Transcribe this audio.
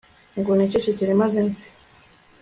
ngo nicecekere maze mpfe